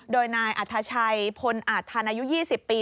โดยนายอัธชัยพลอาทันอายุ๒๐ปี